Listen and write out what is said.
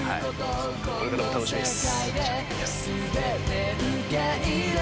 これからも楽しみです。